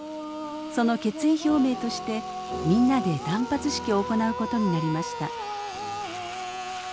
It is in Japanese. その決意表明としてみんなで断髪式を行うことになりました。